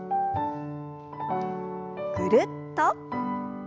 ぐるっと。